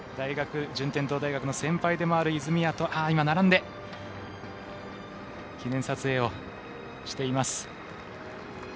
順天堂大学の先輩でもある泉谷と並んで記念撮影をしています。